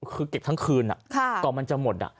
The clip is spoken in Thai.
คือเก็บทั้งคืนอ่ะก็มันจะหมดอ่ะ